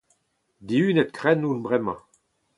Dihunet-krenn on bremañ.